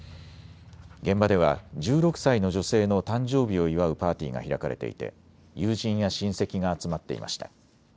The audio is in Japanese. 現場では１６歳の女性の誕生日を祝うパーティーが開かれていて友人や親戚が集まっていました。